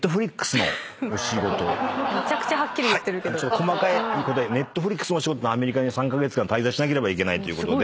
細かいことはＮｅｔｆｌｉｘのお仕事でアメリカに３カ月間滞在しなければいけないということで。